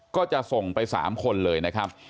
ก็จะส่งไป๓คนเลยนะครับ